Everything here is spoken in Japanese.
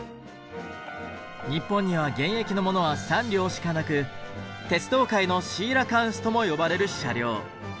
日本には現役のものは３両しかなく「鉄道界のシーラカンス」とも呼ばれる車両。